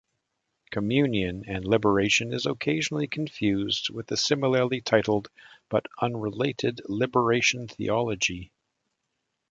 Communion and Liberation is occasionally confused with the similarly titled, but unrelated liberation theology.